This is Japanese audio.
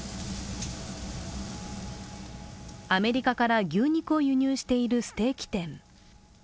アメリカから牛肉を輸入しているステーキ店。